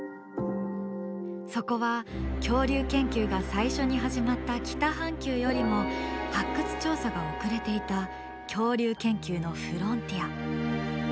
そこは恐竜研究が最初に始まった北半球よりも発掘調査が遅れていた恐竜研究のフロンティア。